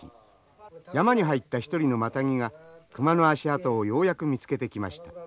山に入った一人のマタギが熊の足跡をようやく見つけてきました。